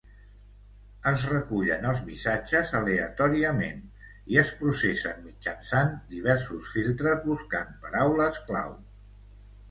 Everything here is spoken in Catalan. Es recullen els missatges aleatòriament i es processen mitjançant diversos filtres buscant paraules clau.